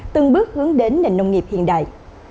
tương bước hướng đến nền nông nghiệp hiện đại